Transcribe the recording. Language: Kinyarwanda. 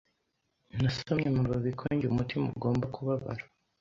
Nasomye amababi ko njye umutima ugomba kubabara